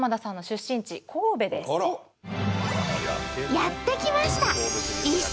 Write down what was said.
やって来ました！